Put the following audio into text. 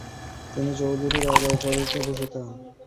তিনি চৌধুরী ও রাজা উপাধিতে ভূষিত হন।